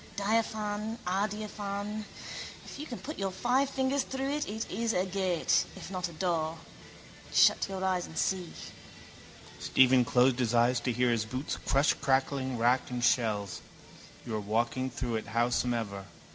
Diaphane, adiaphane. If you can put your five fingers through it it is a gate, if not a door. Shut your eyes and see. Stephen closed his eyes to hear his boots crush crackling wrack and shells. You are walking through it howsomever.